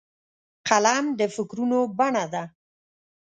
قلم د فکرونو بڼه ده